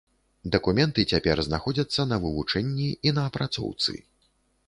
Дакументы цяпер знаходзяцца на вывучэнні і на апрацоўцы.